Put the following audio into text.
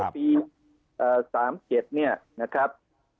ปี๓๗เนี่ยนะครับ